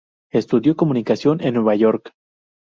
Estudió Comunicación en New York.